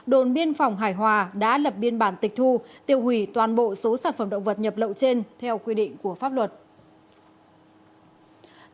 đồn biên phòng hải hòa đã lập biên bản tịch thu tiêu hủy toàn bộ số sản phẩm động vật nhập lậu trên theo quy định của pháp luật